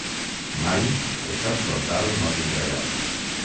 Mai, el xoc frontal no tindrà lloc.